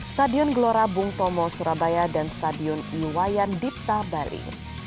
stadion gelora bung tomo surabaya dan stadion iwayan dipta bali